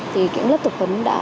thì các lớp tập huấn